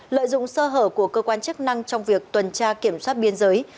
lợi dụng sơ hở của cơ quan chức năng trong việc tuần tra kiểm soát biên giới